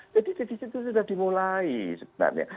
jadi defisit itu sudah dimulai sebenarnya